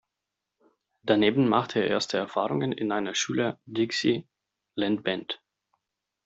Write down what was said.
Daneben machte er erste Erfahrungen in einer Schüler-Dixielandband.